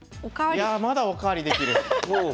いやまだお代わりできる。